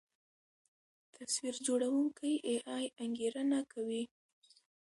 تصویر جوړوونکی اې ای انګېرنه کوي.